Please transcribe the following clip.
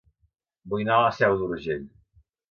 Vull anar a La Seu d'Urgell